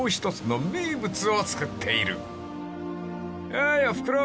［おーいおふくろ